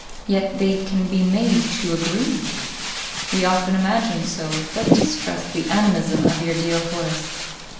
"Yet they can be made to agree." "We often imagine so; but distrust the animism of your dear Horace.